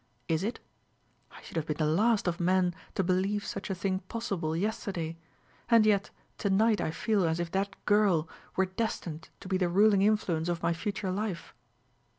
"Is it? I should have been the last of men to believe such a thing possible yesterday; and yet to night I feel as if that girl were destined to be the ruling influence of my future life.